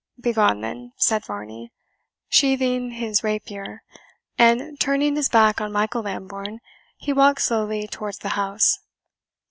"Begone, then," said Varney, sheathing his rapier; and, turning his back on Michael Lambourne, he walked slowly towards the house.